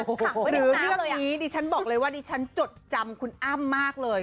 หรือเรื่องนี้ดิฉันบอกเลยว่าดิฉันจดจำคุณอ้ำมากเลย